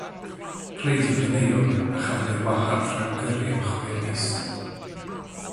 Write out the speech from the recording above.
Plediodd yn euog a chafodd ei wahardd rhag gyrru am chwe mis.